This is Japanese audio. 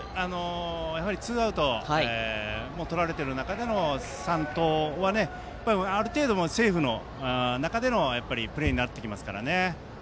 ツーアウトをとられている中での三盗はある程度、セーフの中でのプレーになってきますから。